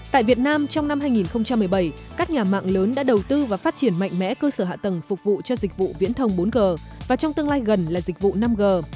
tại việt nam trong năm hai nghìn một mươi bảy các nhà mạng lớn đã đầu tư và phát triển mạnh mẽ cơ sở hạ tầng phục vụ cho dịch vụ viễn thông bốn g và trong tương lai gần là dịch vụ năm g